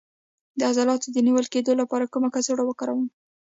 د عضلاتو د نیول کیدو لپاره کومه کڅوړه وکاروم؟